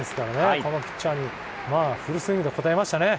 このピッチャーにフルスイングはこたえましたね。